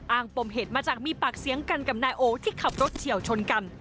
ปมเหตุมาจากมีปากเสียงกันกับนายโอที่ขับรถเฉียวชนกัน